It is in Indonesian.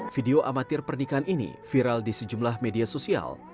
video amatir pernikahan ini viral di sejumlah media sosial